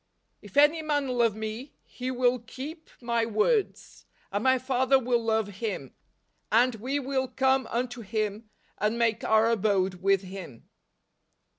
" If any man love me, he will keep my words : and my Father will love him, and we will come unto him, and make our abode with him."